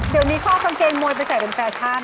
เดี๋ยวมีข้อสังเกณฑ์มวยไปใส่เป็นแฟชั่น